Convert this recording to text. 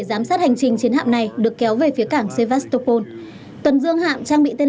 giám sát hành trình chiến hạng này được kéo về phía cảng sevastopol tần dương hạng trang bị tên